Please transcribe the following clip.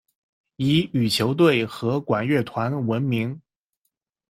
以羽球队和管乐团闻名。